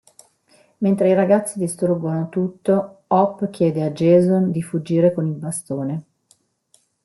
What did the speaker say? Mentre i ragazzi distruggono tutto Hop chiede a Jason di fuggire con il bastone.